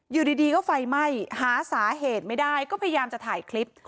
อยู่ดีก็ไฟไหม้หาสาเหตุไม่ได้ก็พยายามจะถ่ายคลิป